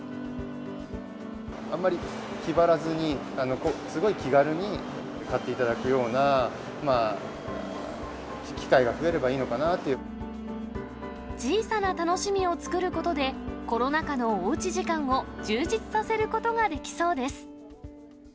あんまり気張らずに、すごい気軽に買っていただくような機会が増えればいいのかなとい小さな楽しみを作ることで、コロナ禍のおうち時間を充実させることができそうです。